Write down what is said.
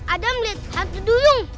adam lihat hantu duyung